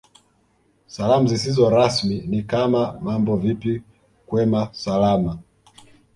Salamu zisizo rasmi ni kama Mambo vipi kwema Salama